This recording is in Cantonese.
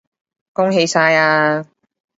恭喜晒呀